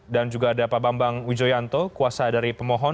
dan juga ada pak bambang wijoyanto kuasa dari pemohon